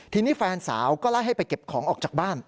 ทีนี้แฟนสาวก็ไล่ให้ไปเก็บของออกจากบ้าน